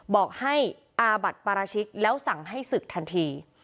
บอกให้อาบัติปราชิกแล้วสั่งให้ศึกทันที